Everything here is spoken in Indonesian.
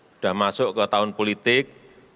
sudah masuk ke tahun politik